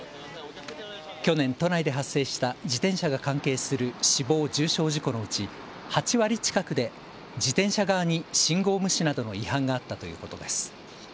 去年、都内で発生した自転車が関係する死亡・重傷事故のうち８割近くで自転車側に信号無視などの違反があったということです。